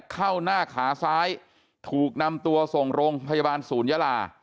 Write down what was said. เข้าหน้าขาซ้ายถูกนำตัวส่งโรงพยาบาลศูนยาลา